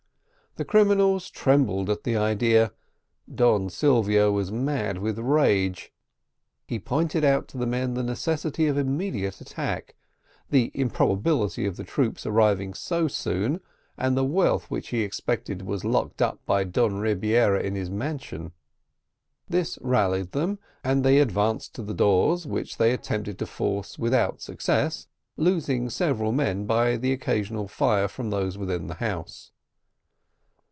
The criminals trembled at the idea; Don Silvio was mad with rage he pointed out to the men the necessity of immediate attack the improbability of the troops arriving so soon, and the wealth which he expected was locked up by Don Rebiera in his mansion. This rallied them, and they advanced to the doors, which they attempted to force without success, losing several men by the occasional fire from those within the house.